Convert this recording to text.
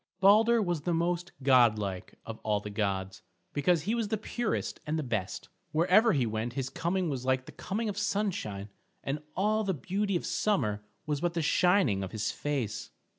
Balder was the most godlike of all the gods, because he was the purest and the best. Wherever he went his coming was like the coming of sunshine, and all the beauty of summer was but the shining of his face.